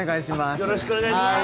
よろしくお願いします